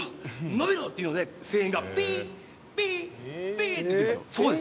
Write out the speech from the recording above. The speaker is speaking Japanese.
伸びろ！っていうので声援が「ピッピッピッ」って言ってるそこです。